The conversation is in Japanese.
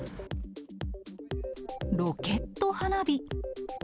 ロケット花火。